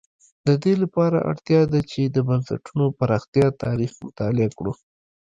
د دې لپاره اړتیا ده چې د بنسټونو پراختیا تاریخ مطالعه کړو.